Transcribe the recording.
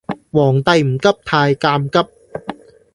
皇帝唔急太監急